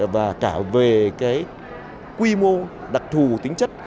và cả về cái quy mô đặc thù tính chất